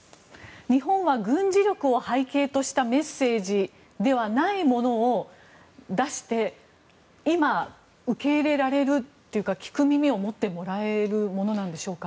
日本は軍事力を背景としたメッセージではないものを出して今、受け入れられるというか聞く耳を持ってもらえるものでしょうか。